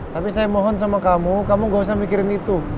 tapi saya mohon sama kamu kamu gak usah mikirin itu